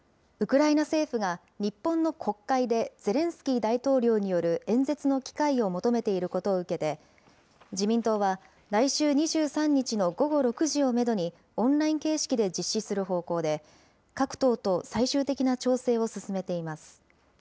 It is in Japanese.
ウクライナ政府が日本の国会で、ゼレンスキー大統領による演説の機会を求めていることを受けて、自民党は、来週２３日の午後６時をメドにオンライン形式で実施する方向で、各党と最終的な調整を進めています。